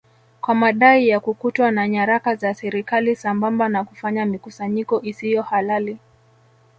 kwa madai ya kukutwa na nyaraka za serikali sambamba na kufanya mikusanyiko isiyo halali